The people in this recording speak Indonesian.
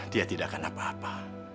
dia tidak akan apa apa